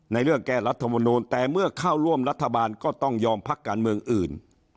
เรื่องแก้รัฐมนูลแต่เมื่อเข้าร่วมรัฐบาลก็ต้องยอมพักการเมืองอื่น